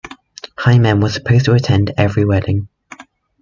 Hymen was supposed to attend every wedding.